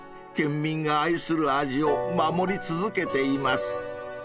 ［県民が愛する味を守り続けています］